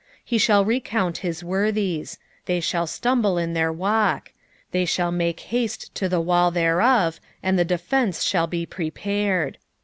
2:5 He shall recount his worthies: they shall stumble in their walk; they shall make haste to the wall thereof, and the defence shall be prepared.